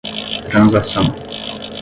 transação